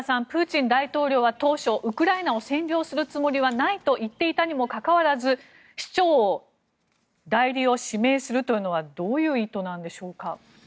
プーチン大統領は当初、ウクライナを占領するつもりはないと言っていたにもかかわらず市長を代理を指名するというのはどういう意図なんでしょうか。